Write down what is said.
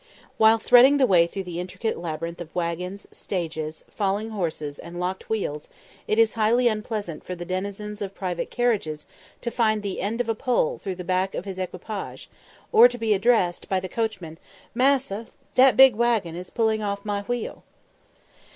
While threading the way through the intricate labyrinth of waggons, stages, falling horses, and locked wheels, it is highly unpleasant for the denizens of private carriages to find the end of a pole through the back of the equipage, or to be addressed by the coachman, "Massa, dat big waggon is pulling off my wheel."